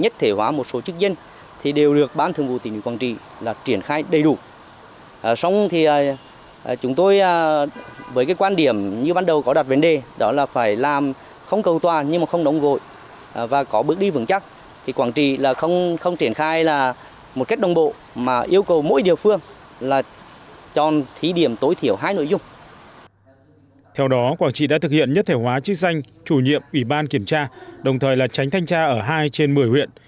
theo đó quảng trị đã thực hiện nhất thể hóa chức danh chủ nhiệm ủy ban kiểm tra đồng thời là tránh thanh tra ở hai trên một mươi huyện